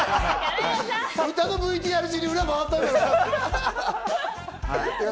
歌のＶＴＲ中に裏回ったんだろ。